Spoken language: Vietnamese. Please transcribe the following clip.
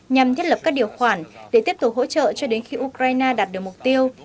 nhằm thiết lập các điều khoản để tiếp tục hỗ trợ cho đến khi ukraine đạt được mục tiêu